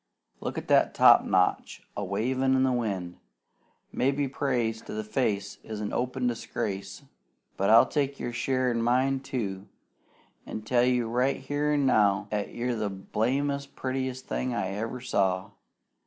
Look at that topknot a wavin' in the wind! Maybe praise to the face is open disgrace; but I'll take your share an' mine, too, an' tell you right here an' now 'at you're the blamedest prettiest thing 'at I ever saw.